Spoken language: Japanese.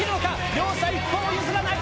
両者一歩も譲らない。